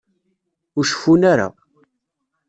Ur ceffun ara.